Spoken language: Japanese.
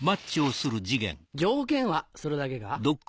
条件はそれだけか？